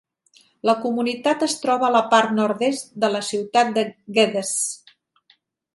La comunitat es troba a la part nord-oest de la ciutat de Geddes.